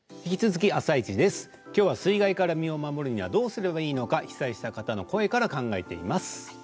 きょうは水害から身を守るにはどうすればいいのか被災した方の声から考えています。